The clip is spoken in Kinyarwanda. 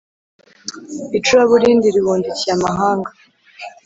icuraburindi ribundikiye amahanga;